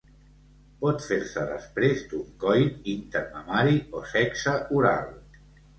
Pot fer-se després d'un coit intermamari o sexe oral.